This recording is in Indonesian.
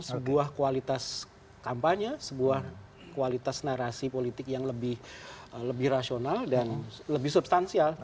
sebuah kualitas kampanye sebuah kualitas narasi politik yang lebih rasional dan lebih substansial